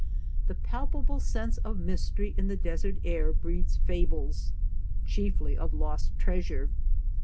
The palpable sense of mystery in the desert air breeds fables, chiefly of lost trea sure.